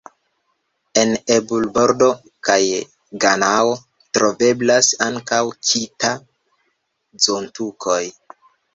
En Ebur-Bordo kaj Ganao troveblas ankaŭ "kita"-zontukoj.